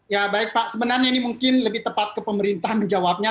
ya baik pak sebenarnya ini mungkin lebih tepat ke pemerintah menjawabnya